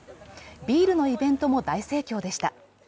ビールのイベントも大盛況でした。